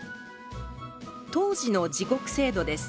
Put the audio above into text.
当時の時刻制度です。